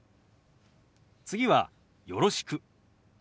次は「よろしく」。